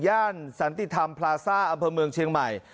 สันติธรรมพลาซ่าอำเภอเมืองเชียงใหม่